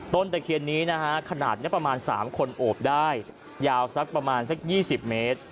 ต้นตะเคียนนี้นะคะขนาดเนี้ยประมาณสามคนโอบได้ยาวสักประมาณสักยี่สิบเมตร